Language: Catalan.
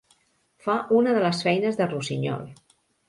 Fa una de les feines de Rusiñol.